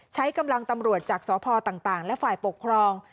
ใช้กำลังตำรวจจากสพต่างและฝ่ายปกครอง